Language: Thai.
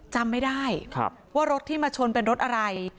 จำไม่ได้ว่ารถที่มาชนเป็นรถอะไร